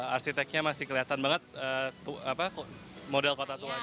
arsiteknya masih kelihatan banget model kota tua